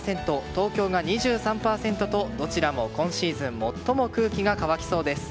東京で２３％とどちらも今シーズン最も空気が乾きそうです。